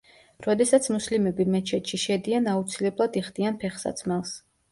როდესაც მუსლიმები მეჩეთში შედიან აუცილებლად იხდიან ფეხსაცმელს.